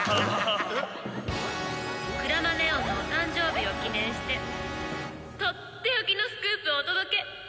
「鞍馬祢音のお誕生日を記念してとっておきのスクープをお届け！」